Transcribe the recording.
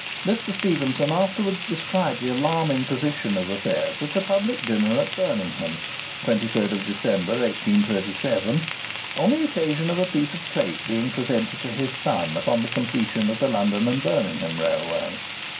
Mr. Stephenson afterwards described the alarming position of affairs at a public dinner at Birmingham (23rd December, 1837), on the occasion of a piece of plate being presented to his son, upon the completion of the London and Birmingham Railway.